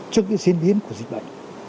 trước cái diễn biến của dịch bệnh